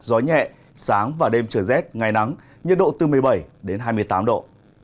gió nhẹ sáng và đêm trời rét ngày nắng nhiệt độ từ một mươi bảy đến hai mươi tám độ